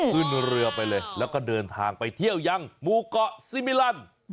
ขึ้นเรือไปเลยแล้วก็เดินทางไปเที่ยวยังหมู่เกาะซิมิลัน